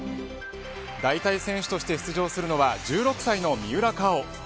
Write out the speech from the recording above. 代替選手として出場するのは１６歳の三浦佳生。